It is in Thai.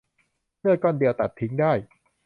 เลือดก้อนเดียวตัดทิ้งได้